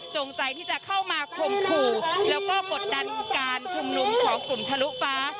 ใจที่จะเข้ามาคมขู่แล้วก็กดดันการชุมนุมของกลุ่มทะลุฟ้า